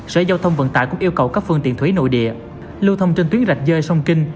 sở giao thông vận tải cũng yêu cầu các phương tiện thủy nội địa lưu thông trên tuyến rạch dơi sông kinh